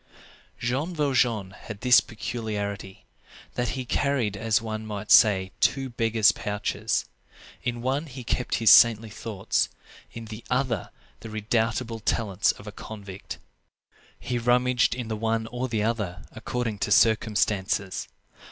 Jean Valjean had this peculiarity, that he carried, as one might say, two beggar's pouches: in one he kept his saintly thoughts; in the other the redoubtable talents of a convict. He rummaged in the one or the other, according to circumstances.